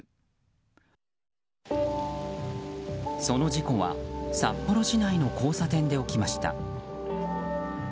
その事故は札幌市内の交差点で起きました。